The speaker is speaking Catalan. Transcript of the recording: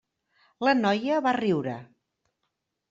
La noia va riure.